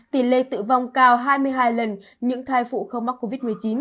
tỷ lệ tử vong cao hai mươi hai lần những thai phụ không mắc covid một mươi chín